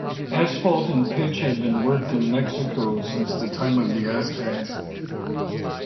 Asphalt and pitch had been worked in Mexico since the time of the Aztecs.